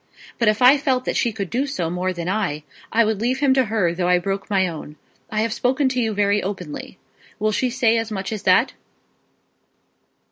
But if I felt that she could do so more than I, I would leave him to her, though I broke my own. I have spoken to you very openly. Will she say as much as that?"